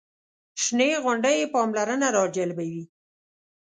شنې غونډۍ یې پاملرنه راجلبوي.